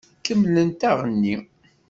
Kemmlemt aɣenni!